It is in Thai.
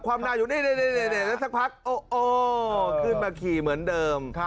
นายอยู่นี่แล้วสักพักขึ้นมาขี่เหมือนเดิม